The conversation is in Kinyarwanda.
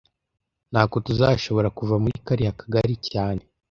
Ntago tuzashobora kuva muri kariya kagari cyane